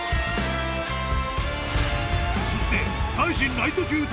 ［そして］